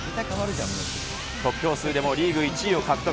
得票数でもリーグ１位を獲得。